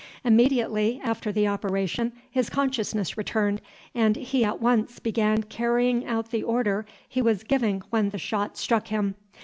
Immediately after the operation his consciousness returned, and he at once began carrying out the order he was giving when the shot struck him.